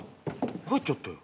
帰っちゃったよ。